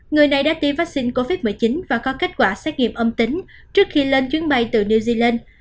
người này đã tiêm vaccine covid một mươi chín và có kết quả xét nghiệm âm tính trước khi lên chuyến bay từ new zealand